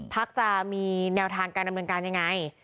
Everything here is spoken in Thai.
พักจะมีแนวทางการดำเนินการยังไง